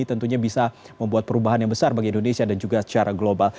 tentunya bisa membuat perubahan yang besar bagi indonesia dan juga secara global